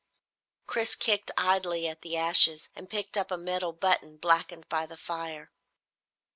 Chris kicked idly at the ashes and picked up a metal button blackened by the fire.